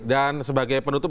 dan sebagai penutup